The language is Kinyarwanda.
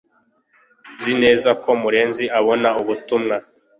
Nzi neza ko murenzi abona ubutumwa